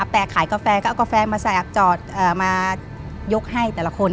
แต่ขายกาแฟก็เอากาแฟมาใส่จอดมายกให้แต่ละคน